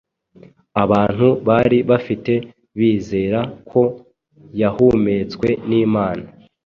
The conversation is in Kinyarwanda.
abantu bari bafite bizera ko yahumetswe n’Imana.